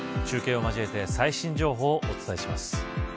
中継を交えて最新情報をお伝えします。